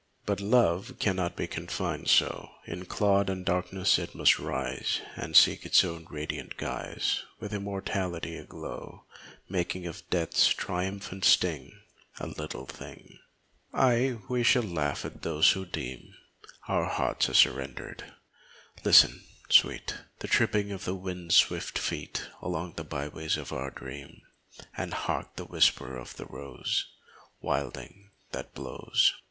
But love cannot be coffined so In clod and darkness; it must rise And seek its own in radiant guise, With immortality aglow, Making of death's triumphant sting A little thing. 142 Ay, we shall laugh at those who deem Our hearts are sundered! Listen, sweet, The tripping of the wind's swift feet Along the by ways of our dream. And hark the whisper of the rose Wilding that blows.